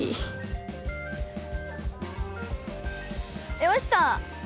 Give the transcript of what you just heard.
いました！